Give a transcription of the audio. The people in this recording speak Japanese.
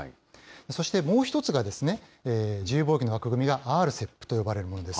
そしてもう１つが、自由貿易の枠組みがＲＣＥＰと呼ばれるものです。